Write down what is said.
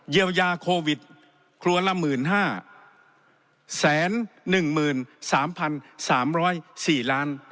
เยียวยาโควิดครัวละ๑๕๑๓๓๐๔ล้าน